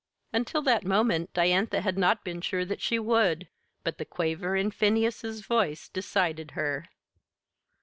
Until that moment Diantha had not been sure that she would, but the quaver in Phineas's voice decided her.